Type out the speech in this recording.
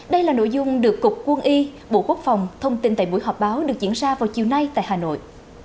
đây là nội dung được cục quân y bộ quốc phòng thông tin tại buổi họp báo được diễn ra vào chiều nay tại hà nội